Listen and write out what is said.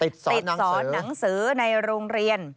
สอนหนังสือในโรงเรียน